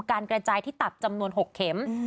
กระจายที่ตับจำนวน๖เข็ม